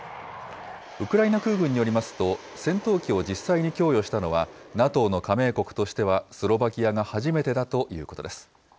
ウクライナ空軍によりますと、戦闘機を実際に供与したのは、ＮＡＴＯの加盟国としてはスロバキアが初めてだということです。